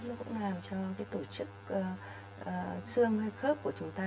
nó cũng làm cho cái tổ chức xương hơi khớp của chúng ta